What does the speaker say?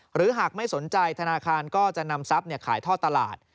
หรือหากไม่สนใจธนาคารก็จะนำทรัพย์ขายท่อตลาด